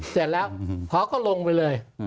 เสร็จแล้วพอก็ลงไปเลย